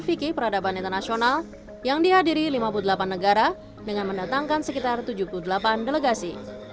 fikih peradaban internasional yang dihadiri lima puluh delapan negara dengan mendatangkan sekitar tujuh puluh delapan delegasi